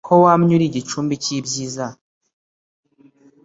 ko wamye uri igicumbi cy’ibyiza